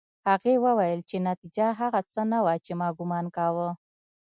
هغې وویل چې نتيجه هغه څه نه وه چې ما ګومان کاوه